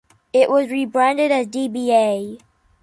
It was rebranded as dba.